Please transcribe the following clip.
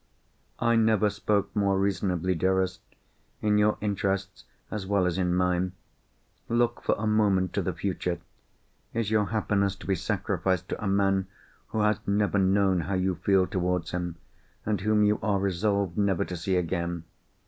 "I never spoke more reasonably, dearest—in your interests, as well as in mine. Look for a moment to the future. Is your happiness to be sacrificed to a man who has never known how you feel towards him, and whom you are resolved never to see again?